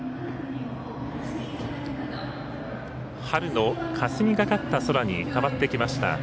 春のかすみがかった空に変わってきました